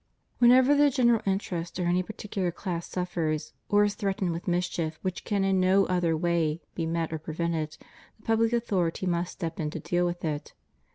Whenever the general interest or any particular class suffers, or is threatened with mischief which can in no other way be met or prevented, the public authority must step in to deal with it.